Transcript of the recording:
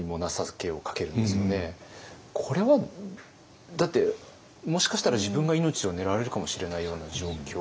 これはだってもしかしたら自分が命を狙われるかもしれないような状況。